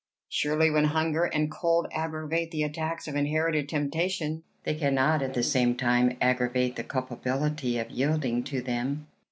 Surely, when hunger and cold aggravate the attacks of inherited temptation, they cannot at the same time aggravate the culpability of yielding to them?"